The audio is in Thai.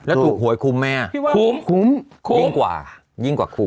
แล้วถูกหวยคุ้มไหมอ่ะคุ้มคุ้มยิ่งกว่ายิ่งกว่าคุ้ม